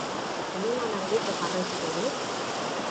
Telelana egiten jarraituko dut?